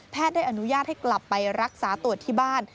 ได้อนุญาตให้กลับไปรักษาตัวที่บ้าน